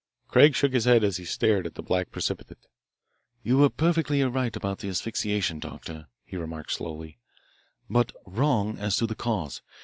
Craig shook his head as he stared at the black precipitate. "You were perfectly right about the asphyxiation, Doctor," he remarked slowly, "but wrong as to the cause.